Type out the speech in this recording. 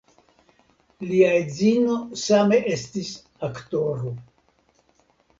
Lia edzino same estis aktoro.